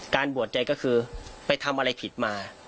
บวชใจก็คือไปทำอะไรผิดมา